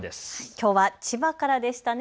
きょうは千葉からでしたね。